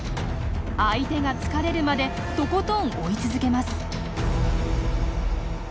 相手が疲れるまでとことん追い続けます。